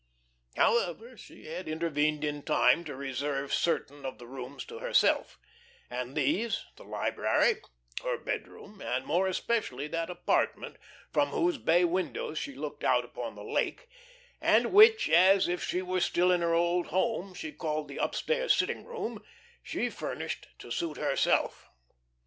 However, she had intervened in time to reserve certain of the rooms to herself, and these the library, her bedroom, and more especially that apartment from whose bay windows she looked out upon the Lake, and which, as if she were still in her old home, she called the "upstairs sitting room" she furnished to suit herself.